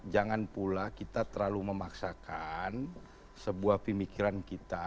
jangan pula kita terlalu memaksakan sebuah pemikiran kita